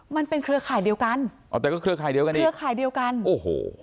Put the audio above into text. เครือข่ายเดียวกันอ๋อแต่ก็เครือข่ายเดียวกันเองเครือข่ายเดียวกันโอ้โห